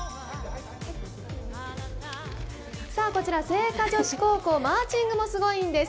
こちら精華女子高校、マーチングもすごいんです。